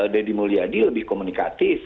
deddy mulyadi lebih komunikatif